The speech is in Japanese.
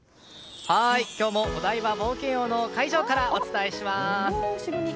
今日もお台場冒険王の会場からお伝えします。